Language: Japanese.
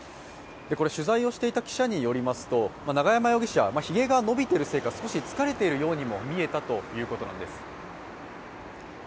取材をしていた記者によりますと永山容疑者、ひげが伸びているせいか少し疲れているようにも見えたということなんです。